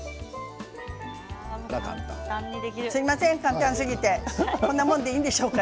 すみません、簡単すぎて。こんなものでいいでしょうか。